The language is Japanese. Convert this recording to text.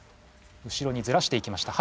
後ろにずらしていきました